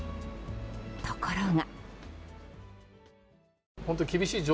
ところが。